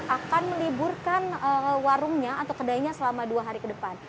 akan meliburkan warungnya atau kedainya selama dua hari ke depan